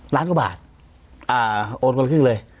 ล้านกว่าบาทโอนคนละครึ่งเลย